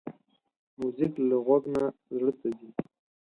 موزیک له غوږ نه زړه ته ځي.